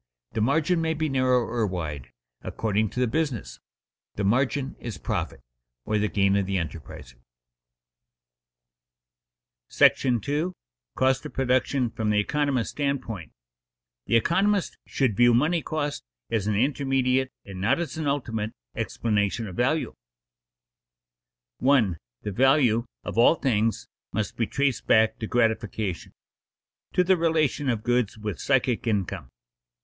The margin may be narrow or wide, according to the business. The margin is "profit," or the gain of the enterpriser. § II. COST OF PRODUCTION FROM THE ECONOMIST'S STANDPOINT [Sidenote: Money cost not the ultimate explanation of value] 1. The economist should view money cost as an intermediate and not as an ultimate explanation of value. The value of all things must be traced back to gratification, to the relation of goods with psychic income.